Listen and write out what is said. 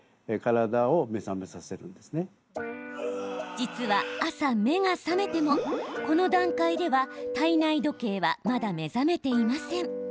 実は朝、目が覚めてもこの段階では体内時計はまだ目覚めていません。